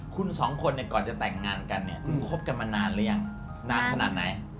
คุณสองคนเนี่ยก่อนจะแต่งงานกันเนี่ยคุณคบกันมานานหรือยังนานขนาดไหน